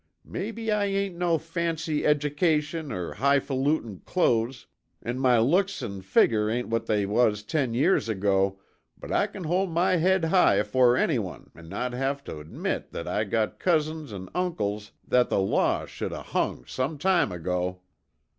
Maybe I ain't no fancy education or high falutin' clo'es, an' my looks an' figger ain't what they was ten years ago, but I c'n hold my head high afore anyone an' not have tuh admit that I got cousins an' uncles that the law should o' hung some time ago."